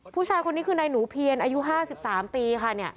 ผู้ชายคนนี้คือนายหนูเพียรอายุ๕๓ปีค่ะ